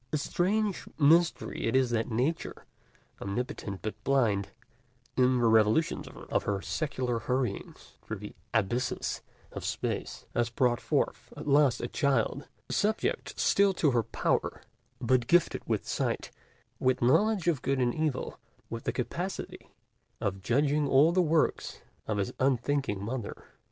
A strange mystery it is that Nature, omnipotent but blind, in the revolutions of her secular hurryings through the abysses of space, has brought forth at last a child, subject still to her power, but gifted with sight, with knowledge of good and evil, with the capacity of judging all the works of his unthinking Mother.